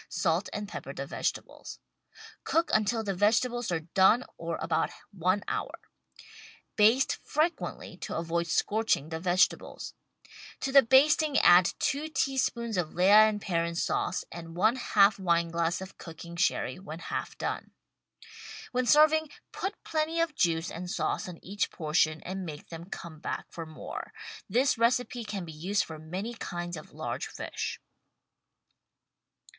Salt and pepper the vegetables. Cook until the vegetables are done or about one hour. Baste frequently to avoid scorching the vegetables. To the basting add two teaspoons of Lea & Perrins sauce and one half wine glass of cooking Sherry when half done. When serving put plenty of juice and sauce on each portion and make them come back for more. This recipe can be used for many kinds of large fish.